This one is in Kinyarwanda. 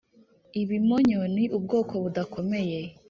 ibimonyo ni ubwoko budakomeye,